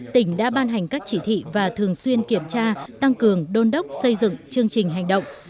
tỉnh đã ban hành các chỉ thị và thường xuyên kiểm tra tăng cường đôn đốc xây dựng chương trình hành động